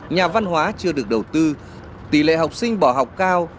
nhà văn hóa chưa được đầu tư tỷ lệ học sinh bỏ học cao